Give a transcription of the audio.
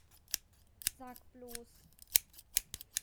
Sag bloß!